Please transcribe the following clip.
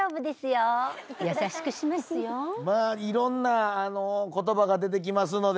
まあいろんな言葉が出てきますので。